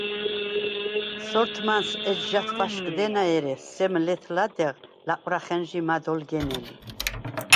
სორთმანს ეჯჟ’ ათვა̈შგდენა, ერე სემ ლეთ-ლადეღ ლაყვრახენჟი მად ოლგენელი.